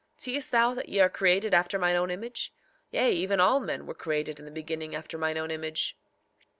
Seest thou that ye are created after mine own image? Yea, even all men were created in the beginning after mine own image.